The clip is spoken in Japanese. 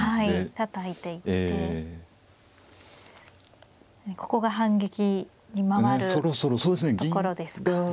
はいたたいていってここが反撃に回るところですか。